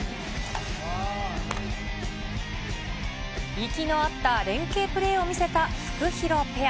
息の合った連係プレーを見せたフクヒロペア。